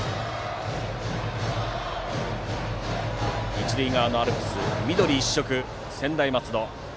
一塁側のアルプス緑一色の専大松戸。